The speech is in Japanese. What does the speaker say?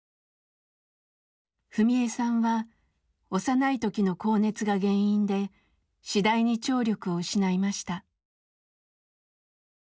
史恵さんは幼い時の高熱が原因で次第に聴力を失いました。